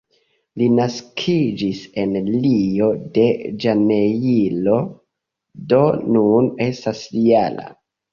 Li naskiĝis en Rio-de-Ĵanejro, do nun estas -jara.